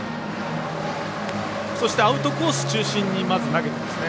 アウトコース中心にまず投げていますね。